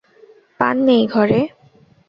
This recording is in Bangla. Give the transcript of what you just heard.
পান নেই ঘরে?